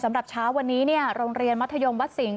สำหรับเช้าวันนี้โรงเรียนมัธยมวัดสิงห